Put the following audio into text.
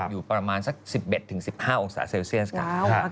อยู่ประมาณสัก๑๑๑๕องศาเซลเซียสค่ะ